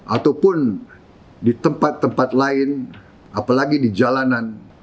ataupun di tempat tempat lain apalagi di jalanan